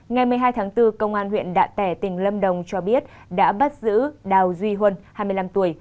ngày một mươi hai tháng bốn công an huyện đạ tẻ tỉnh lâm đồng cho biết đã bắt giữ đào duy huân hai mươi năm tuổi